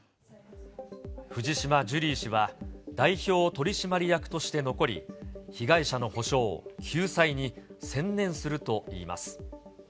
藤島ジュリー氏は、代表取締役として残り、被害者の補償、救済に専念するといいます。